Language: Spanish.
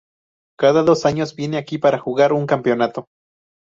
Cada dos años, viene aquí para jugar un campeonato.